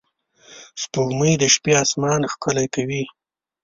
سپوږمۍ د شپې آسمان ښکلی کوي